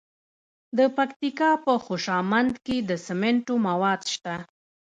د پکتیکا په خوشامند کې د سمنټو مواد شته.